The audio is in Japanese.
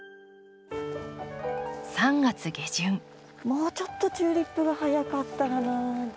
もうちょっとチューリップが早かったらな。